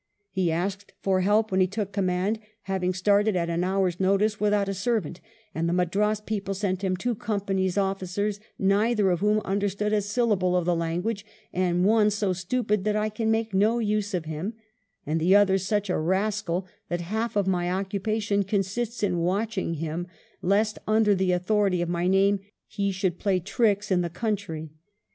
He asked for help when he took command, having started at an hour's notice without a ^servant, and the Madras people sent him two Company's officers, neither of whom understood a syllable of the language, and "one so stupid that I can make no use of him, and the other such a rascal that half of my occupation consists in watching him, lest, under the authority of my name, he should play tricks in the country."